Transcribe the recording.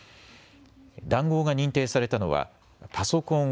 談合が認定されたのはパソコン